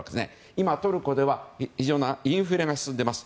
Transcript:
今、トルコでは異常なインフレが続いています。